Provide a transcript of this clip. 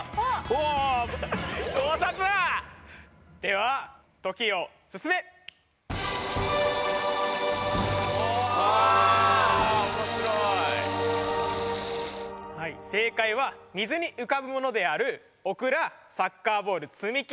はい正解は水に浮かぶものであるオクラサッカーボール積み木